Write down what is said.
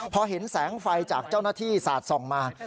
พอเห็นแสงไฟจากเจ้าหน้าที่สาดส่องมา